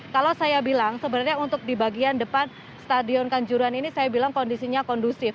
kalau saya bilang sebenarnya untuk di bagian depan stadion kanjuruhan ini saya bilang kondisinya kondusif